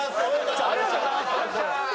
ありがとうございます。